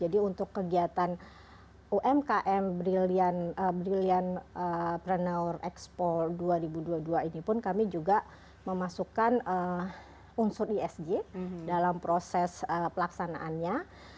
jadi untuk kegiatan umkm brilliant entrepreneur expo dua ribu dua puluh dua ini pun kami juga memasukkan unsur isj dalam proses pelaksanaannya